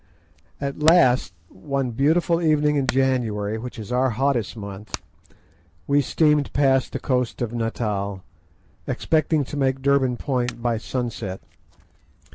At last, one beautiful evening in January, which is our hottest month, we steamed past the coast of Natal, expecting to make Durban Point by sunset.